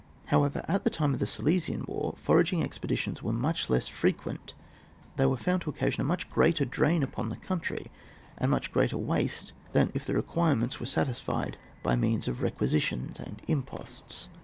However, at the time of the Silesian war, foraging expeditions were much less frequent, they were found to occasion a much greater drain upon the country, and much &:reater waste than if the require mentAere tiefied by means o^f re quisitions and imposts.